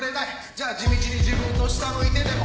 じゃあ地道に自分の下向いてでも